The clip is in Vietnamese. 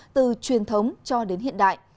từ truyền thống cho đến hiện đại